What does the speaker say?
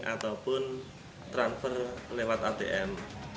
ataupun transfer lewat atm